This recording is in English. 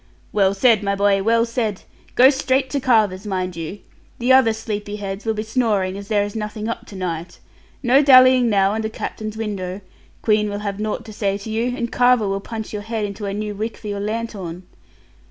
'Well said, my boy, well said! Go straight to Carver's, mind you. The other sleepy heads be snoring, as there is nothing up to night. No dallying now under Captain's window. Queen will have nought to say to you; and Carver will punch your head into a new wick for your lanthorn.'